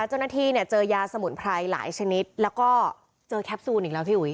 เจ้าหน้าที่เนี่ยเจอยาสมุนไพรหลายชนิดแล้วก็เจอแคปซูลอีกแล้วพี่อุ๋